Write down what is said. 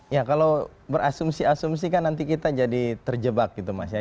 ya kalau berasumsi asumsi kan nanti kita jadi terjebak gitu mas ya